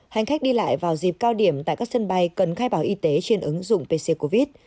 hành khách đi lại vào dịp cao điểm tại các sân bay cần khai báo y tế trên ứng dụng pc covid